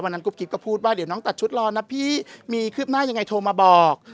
กุ๊กกิ๊บก็พูดว่าเดี๋ยวน้องตัดชุดรอนะพี่มีคืบหน้ายังไงโทรมาบอก